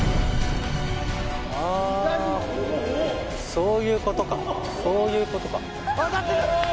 あそういうことかそういうことか当たってる！